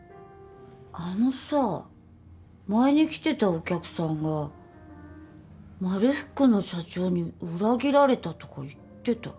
あのさ前に来てたお客さんがまるふくの社長に裏切られたとか言ってた。